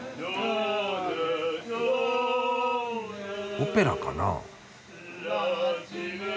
・オペラかな？